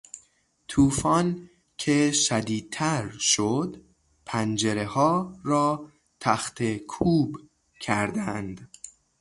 توفان که شدیدتر شد پنجرهها را تخته کوب کردند.